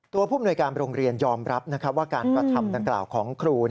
ผู้มนวยการโรงเรียนยอมรับว่าการกระทำดังกล่าวของครู